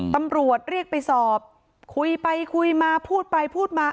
ตำรวจเรียกไปสอบคุยไปคุยมาพูดไปพูดมา